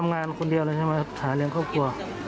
แน่งอย่างไม่ทราบคำตอบตรงนี้ค่ะ